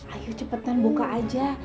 ayo cepetan buka aja